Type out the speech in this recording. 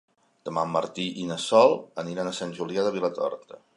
Demà en Martí i na Sol aniran a Sant Julià de Vilatorta.